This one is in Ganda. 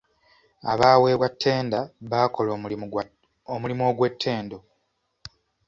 Abaaweebwa ttenda baakola omulimu ogw'ettendo.